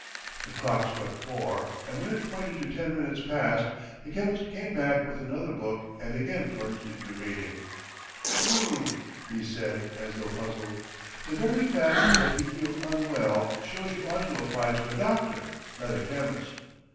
The clock struck four, and when it pointed to ten minutes past the chemist came back with another book and again plunged into reading. "H'm," he said as though puzzled, "the very fact that you feel unwell shows you ought to apply to a doctor, not a chemist."